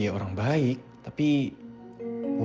aku percaya ibu